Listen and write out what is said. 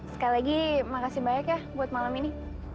sekali lagi makasih banyak ya buat malam ini